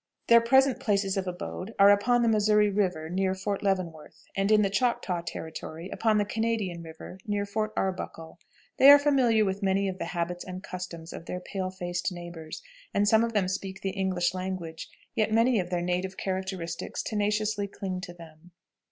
Their present places of abode are upon the Missouri River, near Fort Leavenworth, and in the Choctaw Territory, upon the Canadian River, near Fort Arbuckle. They are familiar with many of the habits and customs of their pale faced neighbors, and some of them speak the English language, yet many of their native characteristics tenaciously cling to them.